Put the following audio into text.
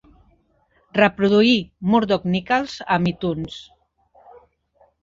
Reproduir Murdoc Nicalls amb Itunes.